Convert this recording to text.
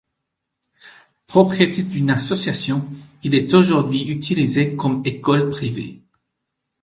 Propriété d'une association, il est aujourd'hui utilisé comme école privée.